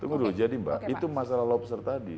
tunggu dulu jadi mbak itu masalah lobster tadi